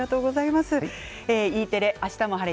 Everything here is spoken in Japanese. Ｅテレ「あしたも晴れ！